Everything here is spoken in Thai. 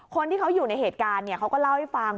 คนที่เขาอยู่ในเหตุการณ์เขาก็เล่าให้ฟัง